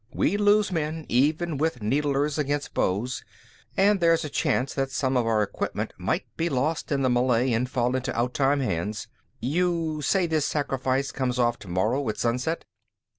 "We'd lose men, even with needlers against bows, and there's a chance that some of our equipment might be lost in the melee and fall into outtime hands. You say this sacrifice comes off tomorrow at sunset?"